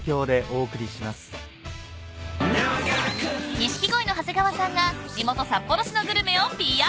［錦鯉の長谷川さんが地元札幌市のグルメをＰＲ］